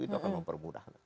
itu akan mempermudah